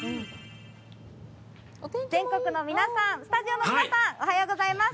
全国の皆さん、スタジオの皆さん、おはようございます。